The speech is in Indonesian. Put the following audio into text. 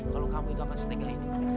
kalau kamu itu akan setinggi lagi